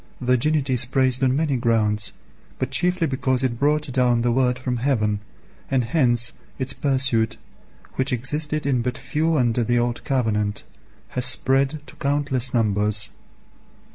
Virginity is praised on many grounds, but chiefly because it brought down the Word from heaven, and hence its pursuit, which existed in but few under the old covenant, has spread to countless numbers.